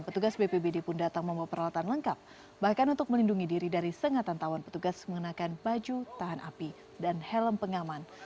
petugas bpbd pun datang membawa peralatan lengkap bahkan untuk melindungi diri dari sengatan tawon petugas mengenakan baju tahan api dan helm pengaman